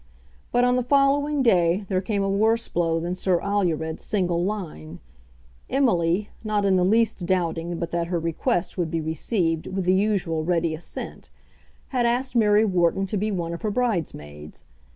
But on the following day there came a worse blow than Sir Alured's single line. Emily, not in the least doubting but that her request would be received with the usual ready assent, had asked Mary Wharton to be one of her bridesmaids.